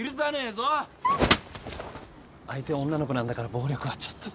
相手は女の子なんだから暴力はちょっと。